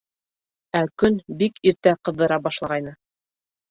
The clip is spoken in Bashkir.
Ә көн бик иртә ҡыҙҙыра башлағайны.